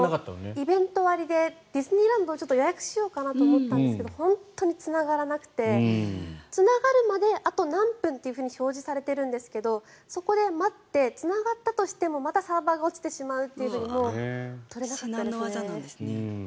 イベント割でディズニーランドを予約をしようかなと思ったんですが本当につながらなくてつながるまで、あと何分と表示されているんですがそこで待ってつながったとしてもまたサーバーが落ちてしまうというふうに取れなかったですね。